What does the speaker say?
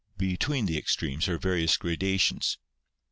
Between the extremes are various gradations.